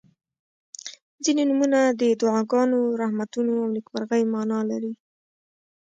• ځینې نومونه د دعاګانو، رحمتونو او نیکمرغۍ معنا لري.